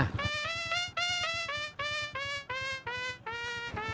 terima kasih ya